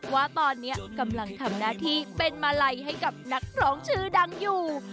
ว่าตอนนี้กำลังทำหน้าที่เป็นมาลัยให้กับนักร้องชื่อดังอยู่